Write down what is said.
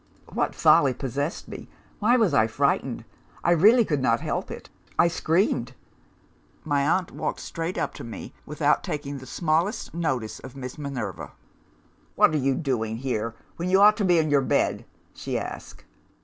"What folly possessed me? Why was I frightened? I really could not help it I screamed. My aunt walked straight up to me, without taking the smallest notice of Miss Minerva. 'What are you doing here, when you ought to be in your bed?' she asked.